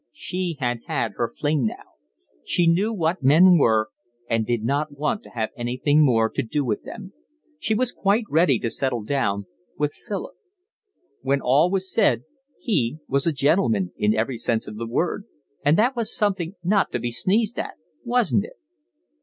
She had had her fling now. She knew what men were and did not want to have anything more to do with them. She was quite ready to settle down with Philip. When all was said, he was a gentleman in every sense of the word, and that was something not to be sneezed at, wasn't it?